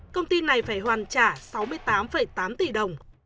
công ty này phải hoàn trả sáu mươi tám tám tỷ đồng